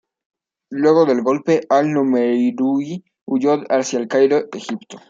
Luego del golpe, al-Numeiruy huyó hacia El Cairo, Egipto.